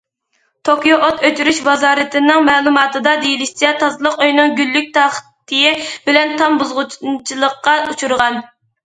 توكيو ئوت ئۆچۈرۈش ۋازارىتىنىڭ مەلۇماتىدا دېيىلىشىچە، تازىلىق ئۆيىنىڭ گۈللۈك تاختىيى بىلەن تام بۇزغۇنچىلىققا ئۇچرىغان.